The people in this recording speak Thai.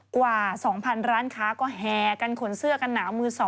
กว่า๒๐๐๐ร้านค้าก็แห่กันขนเสื้อกันหนาวมือ๒